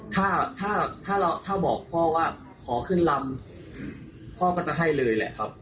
ถ้าถ้าบอกพ่อว่าขอขึ้นลำพ่อก็จะให้เลยแหละครับ